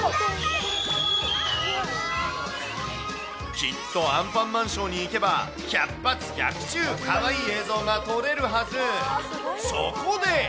きっとアンパンマンショーに行けば、百発百中、かわいい映像が撮れるはず。